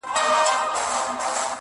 خو کيسه نه ختمېږي هېڅکله,